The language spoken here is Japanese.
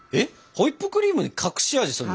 ホイップクリームで隠し味するの？